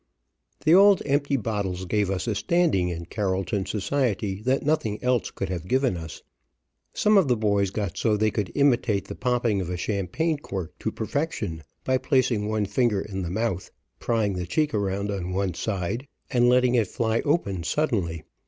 The old empty bottles gave us a standing in Carrollton society that nothing else could have given us. Some of the boys got so they could imitate the popping of a champagne cork to perfection, by placing one finger in the mouth, prying the cheek around on one side, and letting it fly open suddenly.